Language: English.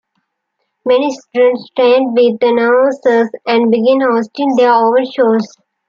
Many students trained with announcers and began hosting their own shows.